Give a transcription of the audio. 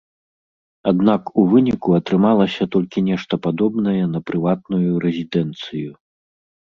Аднак у выніку атрымалася толькі нешта падобнае на прыватную рэзідэнцыю.